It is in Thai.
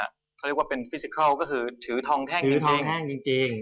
เขาเรียกว่าเป็นฟิซิเคลก็คือถือทองแท่งจริง